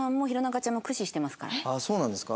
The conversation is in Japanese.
ああそうなんですか？